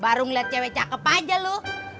baru ngeliat cewek cakep aja loh